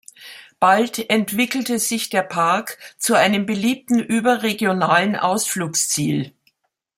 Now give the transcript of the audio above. Bald entwickelte sich der Park zu einem beliebten überregionalen Ausflugsziel.